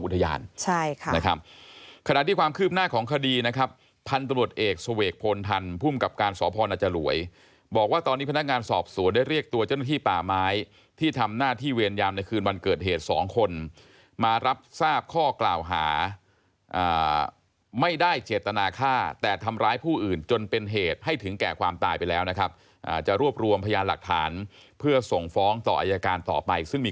ทางคดีนะครับพันตรวจเอกสเวกพลทันพุ่มกรรมการสพนรวยบอกว่าตอนนี้พนักงานสอบส่วนได้เรียกตัวเจ้าหน้าที่ป่าไม้ที่ทำหน้าที่เวรยามในคืนวันเกิดเหตุ๒คนมารับทราบข้อกล่าวหาไม่ได้เจตนาค่าแต่ทำร้ายผู้อื่นจนเป็นเหตุให้ถึงแก่ความตายไปแล้วนะครับจะรวบรวมพยานหลักฐานเพื่อส่งฟ้อง